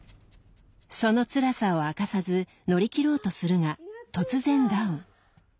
そのつらさを明かさず乗り切ろうとするが突然ダウン。